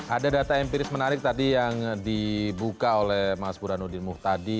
ada data empiris menarik tadi yang dibuka oleh mas burhanuddin muhtadi